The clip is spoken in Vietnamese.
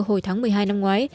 hồi tháng một mươi hai năm ngoái